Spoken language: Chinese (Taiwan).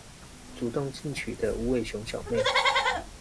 主動進取的無尾熊小妹